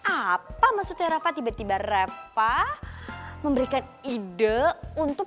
apa maksudnya reva tiba tiba reva memberikan ide untuk